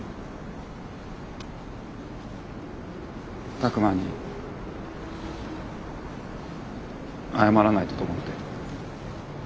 拓真に謝らないとと思って。